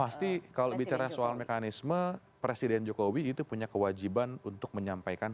pasti kalau bicara soal mekanisme presiden jokowi itu punya kewajiban untuk menyampaikan